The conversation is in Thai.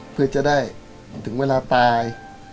เพื่อจะได้ถึงเวลาตาย